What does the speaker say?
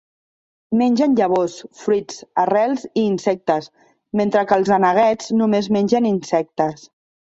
Mengen llavors, fruits, arrels i insectes, mentre que els aneguets només mengen insectes.